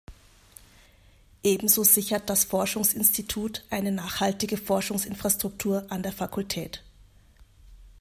Ebenso sichert das Forschungsinstitut eine nachhaltige Forschungsinfrastruktur an der Fakultät.